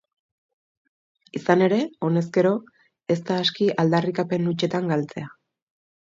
Izan ere, honezkero, ez da aski aldarrikapen hutsetan galtzea.